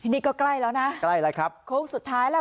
นี่ก็ใกล้แล้วนะใกล้แล้วครับโค้งสุดท้ายแล้ว